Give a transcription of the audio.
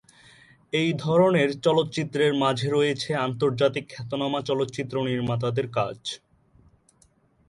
এই ধরনের চলচ্চিত্রের মাঝে রয়েছে আন্তর্জাতিক খ্যাতনামা চলচ্চিত্র নির্মাতাদের কাজ।